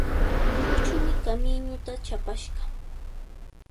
Huchumi kamiñuta chapashqa.